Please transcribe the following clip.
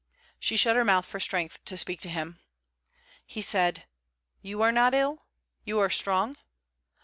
She shut her mouth for strength to speak to him. He said: 'You are not ill? You are strong?'